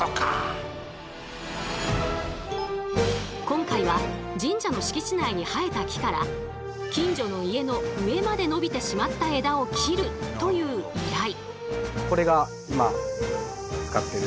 今回は神社の敷地内に生えた木から近所の家の上まで伸びてしまった枝を切るという依頼。